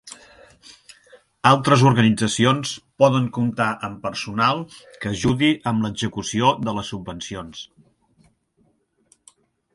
Altres organitzacions poden comptar amb personal que ajudi amb l'execució de les subvencions.